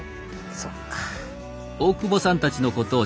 そっか。